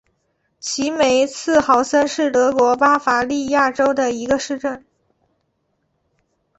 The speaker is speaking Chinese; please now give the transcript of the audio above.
齐梅茨豪森是德国巴伐利亚州的一个市镇。